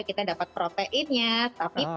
kita dapat proteinnya tapi